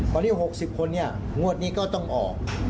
ตอนนี้๖๐คนเนี่ยงวดนี้ก็ต้องออก